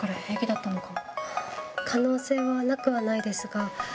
可能性はなくはないですが。